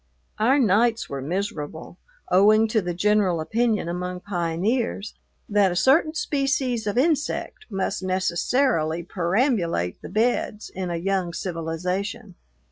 Our nights were miserable, owing to the general opinion among pioneers that a certain species of insect must necessarily perambulate the beds in a young civilization.